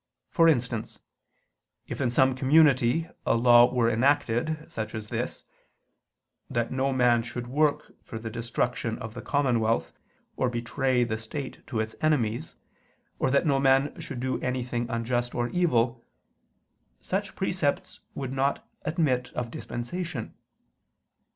For instance, if in some community a law were enacted, such as this that no man should work for the destruction of the commonwealth, or betray the state to its enemies, or that no man should do anything unjust or evil, such precepts would not admit of dispensation.